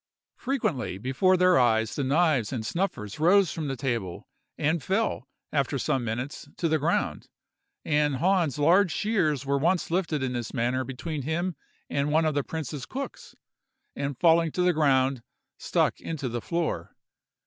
Frequently, before their eyes, the knives and snuffers rose from the table, and fell, after some minutes, to the ground; and Hahn's large shears were once lifted in this manner between him and one of the prince's cooks, and falling to the ground, stuck into the floor.